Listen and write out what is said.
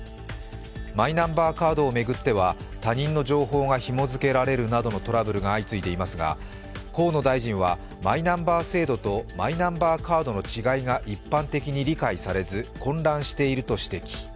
マイナンバーカードを巡っては他人の情報がひも付けられるなどのトラブルが相次いでいますが、河野大臣はマイナンバー制度とマイナンバーカードの違いが一般的に理解されず混乱していると指摘。